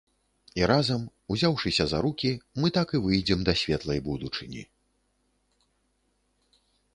І разам, узяўшыся за рукі, мы так і выйдзем да светлай будучыні.